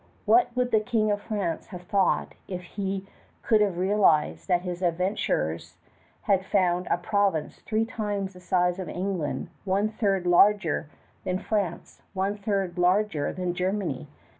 What would the King of France have thought if he could have realized that his adventurers had found a province three times the size of England, one third larger than France, one third larger than Germany?